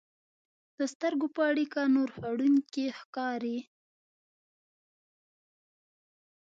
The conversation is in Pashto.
د سترګو په اړیکه نور خوړونکي ښکاري.